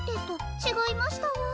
ちがいましたわ。